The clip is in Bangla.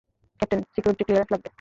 ক্যাপ্টেন, সিকিউরিটি ক্লিয়ারেন্স লাগবে।